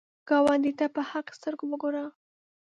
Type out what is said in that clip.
ګاونډي ته په حق سترګو وګوره